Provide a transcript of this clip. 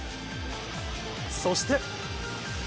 そして。